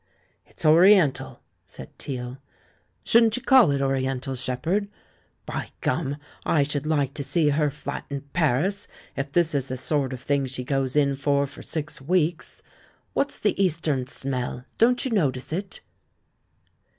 "It's Oriental," said Teale ; "shouldn't you call it 'Oriental,' Shepherd? By Gum! I should like to see her flat in Paris, if this is the sort of thing she goes in for for six weeks. What's the Eastern smell; don't you notice it?"